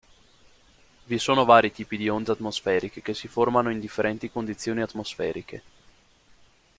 Vi sono vari tipi di onde atmosferiche che si formano in differenti condizioni atmosferiche.